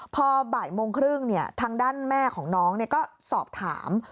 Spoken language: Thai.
พอบ่ายโมงครึ่งทางด้านแม่ของน้องก็สอบถาม